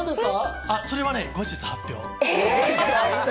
それは後日発表。